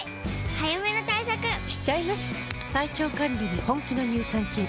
早めの対策しちゃいます。